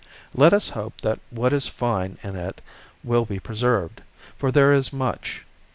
Let us hope that what is fine in it will be preserved, for there is much.